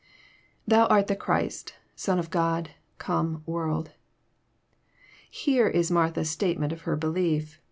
IThou art the Christ,„8on of (?0(7...came...toorZd.] Here is Martha's statement of her belief.